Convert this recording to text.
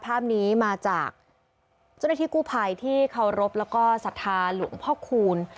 ภาพนี้มาจากเจ้าหน้าที่กู้ภัยที่เคารพแล้วก็ศรัทธาหลวงพ่อคูณ